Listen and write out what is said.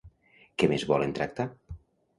Què més volen tractar?